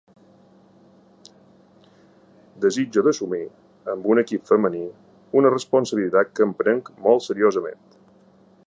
Desitjo d’assumir, amb un equip femení, una responsabilitat que em prenc molt seriosament.